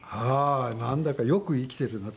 なんだかよく生きているなって。